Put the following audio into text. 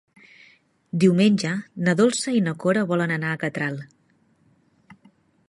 Diumenge na Dolça i na Cora volen anar a Catral.